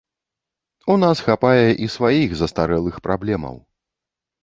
У нас хапае і сваіх, застарэлых праблемаў.